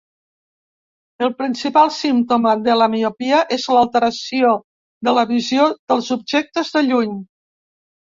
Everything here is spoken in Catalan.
El principal símptoma de la miopia és l'alteració de la visió dels objectes de lluny.